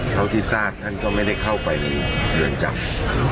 เท่าที่ทราบท่านก็ไม่ได้เข้าไปในเรือนจำ